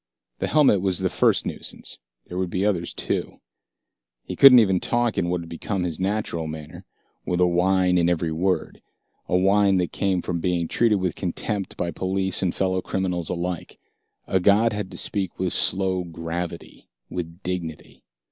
The helmet was the first nuisance. There would be others too. He couldn't even talk in what had become his natural manner, with a whine in every word, a whine that came from being treated with contempt by police and fellow criminals alike. A god had to speak with slow gravity, with dignity.